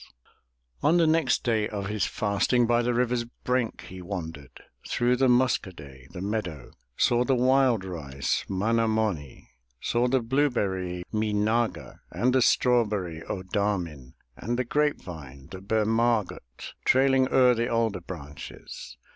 381 MY BOOK HOUSE On the next day of his fasting By the river's brink he wandered, Through the Musk'o day, the meadow, Saw the wild rice, Mah no mo'nee, Saw the blueberry, Mee nah'ga, And the strawberry, 0 dah'min, And the grape vine, the Be mah'gut, Trailing o'er the alder branches.